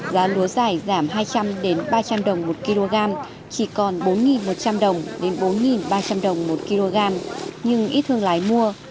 giá lúa giải giảm hai trăm linh ba trăm linh đồng một kg chỉ còn bốn một trăm linh đồng đến bốn ba trăm linh đồng một kg nhưng ít thương lái mua